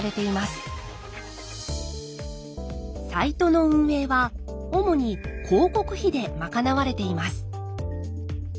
サイトの運営は主に広告費で賄われています。